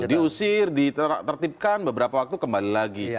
diusir ditertibkan beberapa waktu kembali lagi